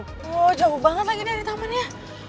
wah jauh banget lagi dari tamannya